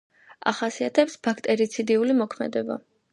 ახასიათებს ბაქტერიციდული მოქმედება.